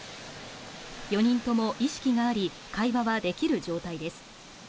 ４人とも意識があり、会話はできる状態です。